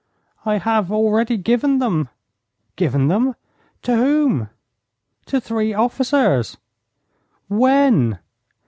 'I have already given them.' 'Given them! To whom?' 'To three officers.' 'When?'